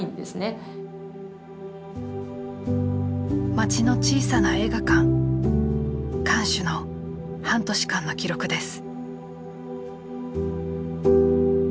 街の小さな映画館館主の半年間の記録です。